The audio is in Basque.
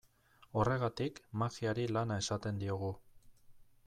Horregatik, magiari lana esaten diogu.